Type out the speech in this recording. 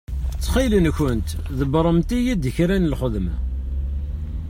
Ttxil-kent ḍebbṛemt-iyi-d kra n lxedma.